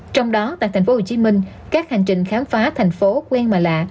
trong đó tại thành phố hồ chí minh các hành trình khám phá thành phố quen mà lạ